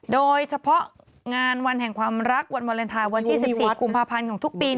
โดยเฉพาะงานวันแห่งความรักวันวาเลนไทยวันที่๑๔กุมภาพันธ์ของทุกปี